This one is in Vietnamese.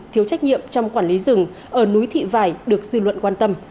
thiếu trách nhiệm trong quản lý rừng ở núi thị vải được dư luận quan tâm